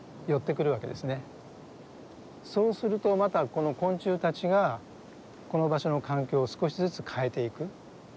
そうするとまたこの昆虫たちがこの場所の環境を少しずつ変えていく。